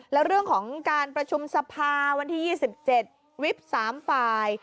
แล้วเรื่องของการประชุมสภาวันที่๒๗วิบ๓ฝ่าย